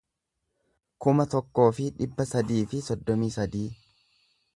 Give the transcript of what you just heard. kuma tokkoo fi dhibba sadii fi soddomii sadii